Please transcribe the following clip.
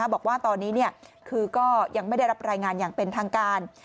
บอกว่าตอนนี้คือก็ยังไม่ได้รับรายงานอย่างเป็นทางการ